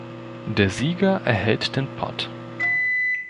Der Sieger erhält den Pot.